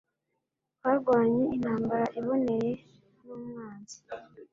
Barwanye intambara iboneye n'umwanzi.